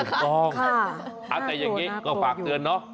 ถูกต้องแต่อย่างนี้ก็ฝากเตือนเนาะ